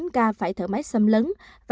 bốn mươi chín ca phải thở máy xâm lấn